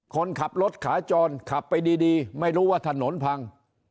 คนขับรถขาจรขับไปดีไม่รู้ว่าถนนพัง